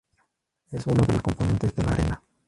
Es uno de los componentes de la arena.